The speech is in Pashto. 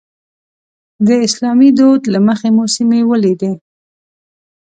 د اسلامي دود له مخې مو سیمې ولیدې.